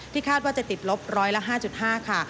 คาดว่าจะติดลบร้อยละ๕๕ค่ะ